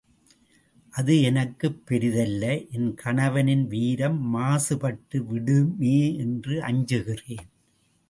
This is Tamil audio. அது எனக்குப் பெரிது அல்ல என் கணவனின் வீரம் மாசுபட்டுவிடுமே என்று அஞ்சுகிறேன்.